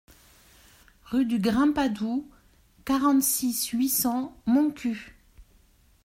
Rue du Grimpadou, quarante-six, huit cents Montcuq